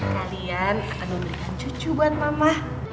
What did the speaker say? kalian akan memberikan cucu buat mama